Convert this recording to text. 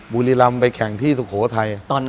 บุรีลำไปแข่งที่สุโขทัย